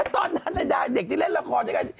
จำได้เดี๋ยวจะคิด